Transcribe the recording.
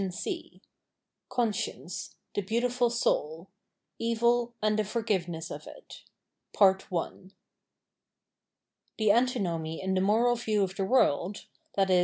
— Q Conscience : the " Beautiful Soul : Evil and THE FoKGIVENESS OF IT The antinomy in the moral view of the world — viz.